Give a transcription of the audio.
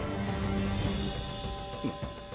うん？